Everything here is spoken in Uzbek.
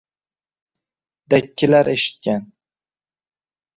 dakkilar eshitgan.